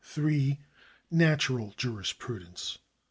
Natural Jurisjprudence.